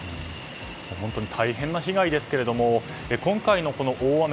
本当に大変な被害ですが今回の大雨